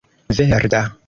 verda